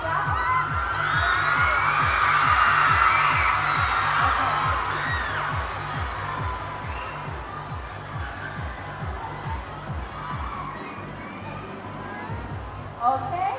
มันมีอีกหนึ่ง